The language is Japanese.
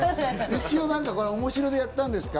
一応、おもしろでやったんですか？